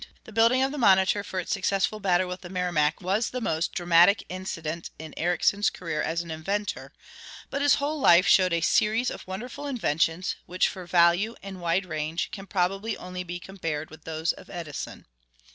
The building of the Monitor for its successful battle with the Merrimac was the most dramatic incident in Ericsson's career as an inventor, but his whole life showed a series of wonderful inventions which for value and wide range can probably only be compared with those of Edison.